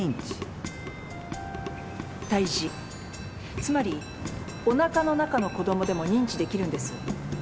胎児つまりおなかの中の子供でも認知できるんです。